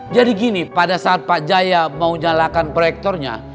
jadi gini pada saat pak jaya mau nyalakan proyektornya